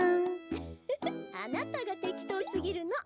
ウッフフあなたがてきとうすぎるの。